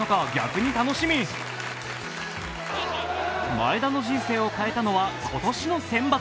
前田の人生を変えたのは今年の選抜。